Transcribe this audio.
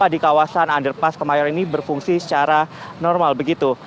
di kawasan underpass kemayoran ini berfungsi secara normal begitu